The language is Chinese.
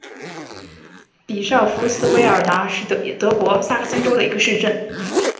比绍夫斯韦尔达是德国萨克森州的一个市镇。